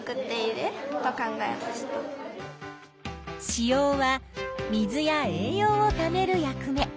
子葉は水や栄養をためる役目。